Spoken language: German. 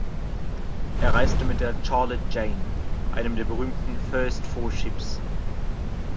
Er reiste mit der Charlotte-Jane, einem der berühmten „first four ships“.